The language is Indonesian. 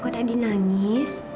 kau tadi nangis